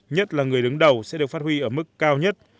nhất là người đứng đầu sẽ được phát huy ở mức cao nhất